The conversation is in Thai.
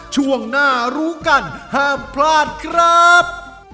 ช่วงหน้ารู้กันห้ามพลาดครับ